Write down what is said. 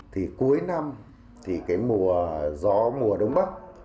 thì cuối năm thì cái mùa gió mùa đông bắc